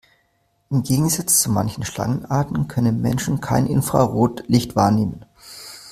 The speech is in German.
Im Gegensatz zu manchen Schlangenarten können Menschen kein Infrarotlicht wahrnehmen.